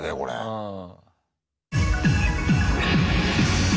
うん。